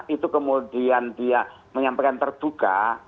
itu kemudian dia menyampaikan terbuka